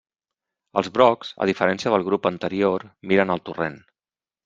Els brocs, a diferència del grup anterior miren al torrent.